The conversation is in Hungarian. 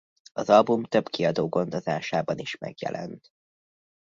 Az album több kiadó gondozásában is megjelent.